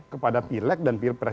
kepada pilek dan pilpres